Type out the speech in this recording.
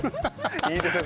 いいですね